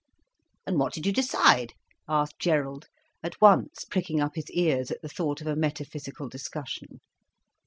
"And what did you decide?" asked Gerald, at once pricking up his ears at the thought of a metaphysical discussion.